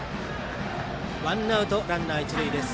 ワンアウト、ランナー、一塁です。